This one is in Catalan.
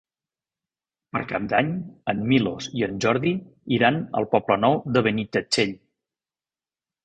Per Cap d'Any en Milos i en Jordi iran al Poble Nou de Benitatxell.